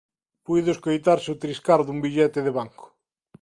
Puido escoitarse o triscar dun billete de banco.